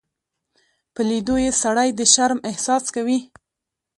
په لیدو یې سړی د شرم احساس کوي.